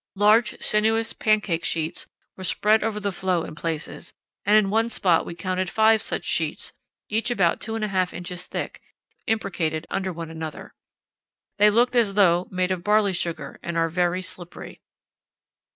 Large sinuous pancake sheets were spread over the floe in places, and in one spot we counted five such sheets, each about 2½ in. thick, imbricated under one another. They look as though made of barley sugar and are very slippery."